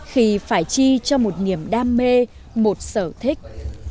khi phải chi cho một niềm đam mê một sở thích